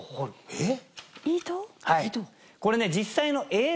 えっ！